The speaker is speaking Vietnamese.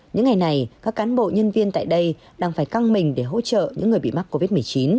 những ngày này các cán bộ nhân viên tại đây đang phải căng mình để hỗ trợ những người bị mắc covid một mươi chín